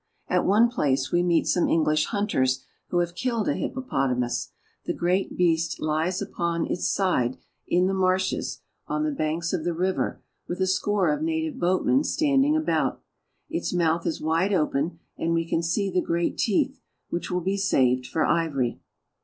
At one place we meet some E^nglish hunters who have killed a hippopotamus. The great beast lies upon its side E THE UPPER NIGER — TIMBUKTU AND JENNE I 83 the marshes, on the banks of the river, with a scoie of .tive boatmen standing about. Its mouth is wide open and we can see the great teeth, which will be saved for ivory.